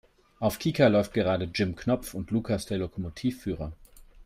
Auf Kika läuft gerade "Jim Knopf und Lukas der Lokomotivführer".